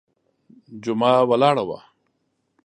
جمعه ولاړه وه.